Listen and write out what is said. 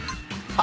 あ！